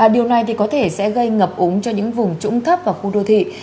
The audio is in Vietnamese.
điều này có thể sẽ gây ngập úng cho những vùng trũng thấp và khu đô thị